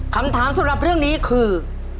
คำถามสำหรับเรื่องนี้คือ